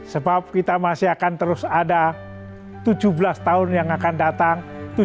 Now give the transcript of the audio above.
sebab kita masih akan terus ada tujuh belas tahun yang akan datang